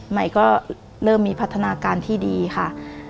ใหม่ก็เริ่มมีพัฒนาการที่ดีค่ะ